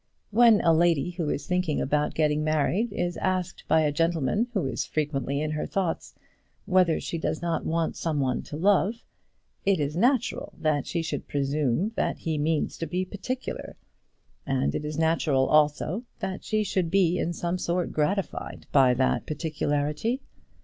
When a lady who is thinking about getting married is asked by a gentleman who is frequently in her thoughts whether she does not want some one to love, it is natural that she should presume that he means to be particular; and it is natural also that she should be in some sort gratified by that particularity.